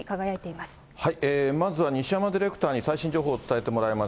まずは西山ディレクターに、最新情報伝えてもらいます。